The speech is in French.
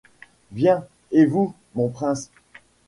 Bien ; et vous, mon prince ?